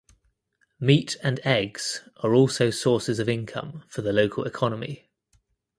Meat and eggs are also sources of income for the local economy.